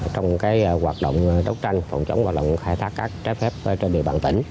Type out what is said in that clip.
trong hoạt động đấu tranh phòng chống hoạt động khai thác cát trái phép trên địa bàn tỉnh